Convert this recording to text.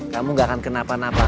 kamu gak akan kenapa napa